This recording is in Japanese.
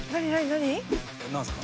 何すか？